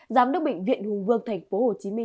giám đốc bệnh viện hùng vương tp hcm